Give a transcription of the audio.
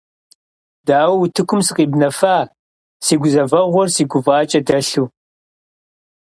Дауэ утыкум сыкъибнэфа си гузэвэгъуэр си гуфӀакӀэ дэлъу?